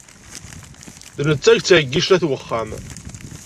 D netta i ittɛeyyicen at uxxam.